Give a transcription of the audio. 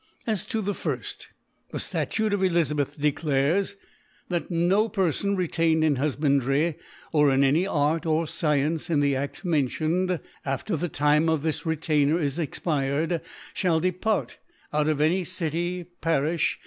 As to the firft, the Statute of Elizabeth declares*. That no Perfon retained in Hufbandry, or in any Art or Sicience in the A61 mentioned t, after the Time of his Retainer is expired, fhall depart out of any City, Parifh, (^c.